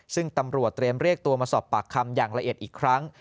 ซึ่งตำรวจเตรียมเรียกตัวมาสอบปากคำอย่างละเอียดอีกครั้ง